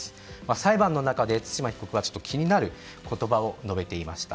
裁判の中で対馬被告は気になる言葉を述べていました。